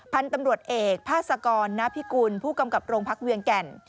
พันธุ์ตำรวจเอกพาสกรณพิกุลผู้กำกับโรงพักเวียงแก่น